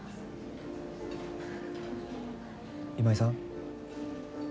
今井さん？